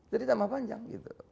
jadi tambah panjang